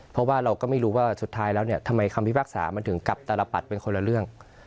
เพราะว่าเราก็ไม่รู้ว่าสุดท้ายแล้วเนี่ยทำไมคำพิพากษามันถึงกลับตลปัดเป็นคนละเรื่อง